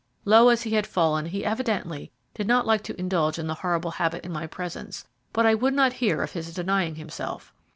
Low as he had fallen, he evidently did not like to indulge in the horrible habit in my presence; but I would not hear of his denying himself.